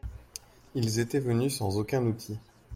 Ils étaient venus sans aucun outil.